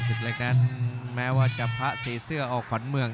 เล็กนั้นแม้ว่าจะพระสีเสื้อออกขวัญเมือง